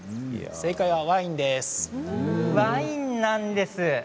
正解はワインです。